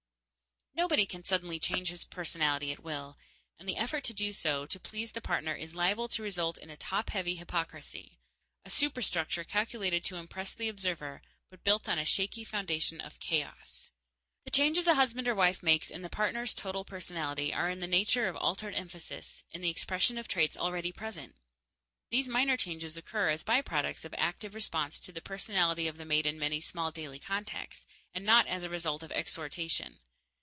_ Nobody can suddenly change his personality at will, and the effort to do so to please the partner is liable to result in a topheavy hypocrisy a superstructure calculated to impress the observer, but built on a shaky foundation of chaos. The changes a husband or wife makes in the partner's total personality are in the nature of altered emphasis in the expression of traits already present. These minor changes occur as by products of active response to the personality of the mate in many small daily contacts, and not as a result of exhortation.